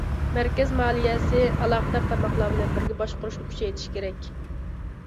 مەركەز مالىيەسى ئالاقىدار تارماقلار بىلەن بىرگە باشقۇرۇشنى كۈچەيتىشى كېرەك.